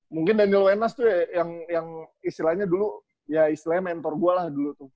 mungkin daniel wenas itu ya yang istilahnya dulu ya istilahnya mentor gue lah dulu tuh